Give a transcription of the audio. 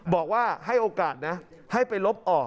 บอกว่าให้โอกาสนะให้ไปลบออก